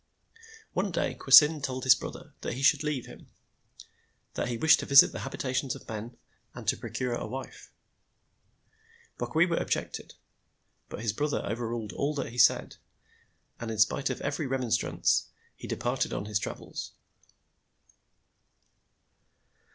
One day Kwasynd told his brother that he should leave him; that he wished to visit the habitations of men and to procure a wife. Bokwewa objected; but his brother overruled all that he said, and in spite of every remonstrance, he departed on his travels.